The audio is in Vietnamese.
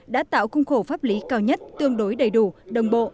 đã tạo khung khổ pháp lý cao nhất tương đối đầy đủ đồng bộ